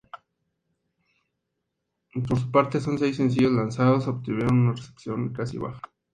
Por su parte, los seis sencillos lanzados, obtuvieron una recepción casi baja.